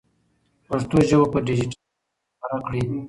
پښتو ژبه په ډیجیټل نړۍ کې خپره کړئ.